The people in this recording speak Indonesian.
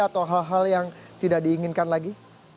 atau hal hal yang tidak diinginkan lagi